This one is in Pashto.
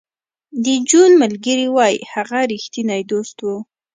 د جون ملګري وایی هغه رښتینی دوست و